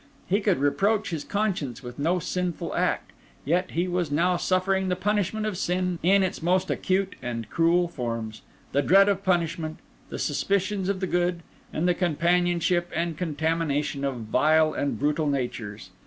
He could reproach his conscience with no sinful act; and yet he was now suffering the punishment of sin in its most acute and cruel forms—the dread of punishment, the suspicions of the good, and the companionship and contamination of vile and brutal natures.